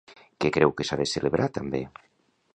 Què creu que s'ha de celebrar també?